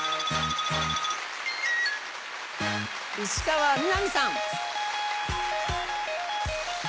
石川みなみさん。